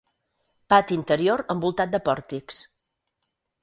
Pati interior envoltat de pòrtics.